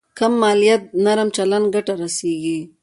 کم مالياتو نرم چلند ګټه رسېږي.